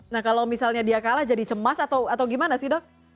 nah kalau misalnya dia kalah jadi cemas atau gimana sih dok